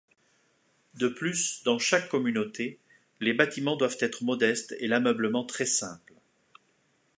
De plus, dans chaque communauté, les bâtiments doivent être modestes et l'ameublement très simple.